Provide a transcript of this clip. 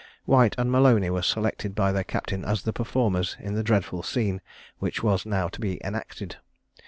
White and Mahony were selected by their captain as the performers in the dreadful scene which was now to be enacted.